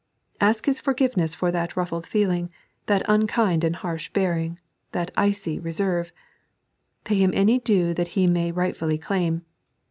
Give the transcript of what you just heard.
Ask his forgiveness for that ruffled feeling, that unMnd and harsh bearing, that icy reserve. Pay him any due that he may rightfully claim.